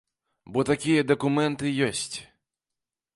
Бо такія дакументы ёсць.